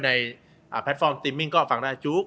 แพลตฟอร์มติมมิ่งก็ฟังได้จุ๊ก